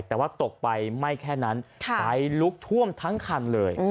แต่ว่าตกไปไม่แค่นั้นไฟลุกท่วมทั้งคันเลย